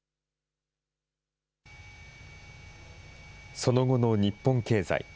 その後の日本経済。